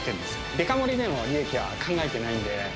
デカ盛りでの利益は考えていないんで。